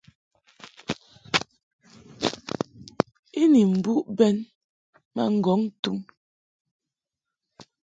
I ni mbuʼ bɛn ma ŋgɔŋ tum.